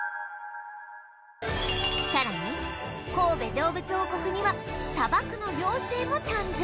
さらに神戸どうぶつ王国には砂漠の妖精も誕生！